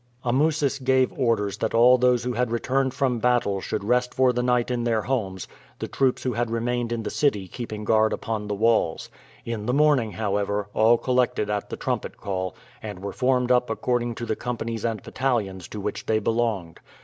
Amusis gave orders that all those who had returned from battle should rest for the night in their homes, the troops who had remained in the city keeping guard upon the walls. In the morning, however, all collected at the trumpet call, and were formed up according to the companies and battalions to which they belonged.